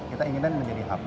kita ingin menjadi hub